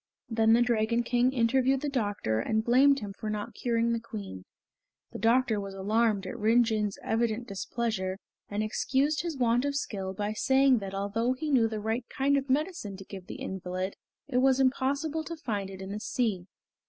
Then the Dragon King interviewed the doctor and blamed him for not curing the Queen. The doctor was alarmed at Rin Jin's evident displeasure, and excused his want of skill by saying that although he knew the right kind of medicine to give the invalid, it was impossible to find it in the sea.